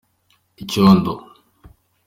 icyondo.